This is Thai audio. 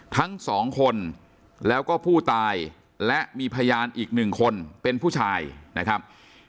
ทั้งสองคนแล้วก็ผู้ตายและมีพยานอีกหนึ่งคนเป็นผู้ชายนะครับ